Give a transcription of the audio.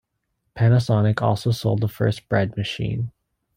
Panasonic also sold the first bread machine.